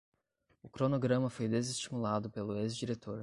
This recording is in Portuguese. O cronograma foi desestimulado pelo ex-diretor